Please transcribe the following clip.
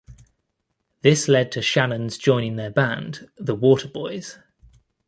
This led to Shannon's joining their band, The Waterboys.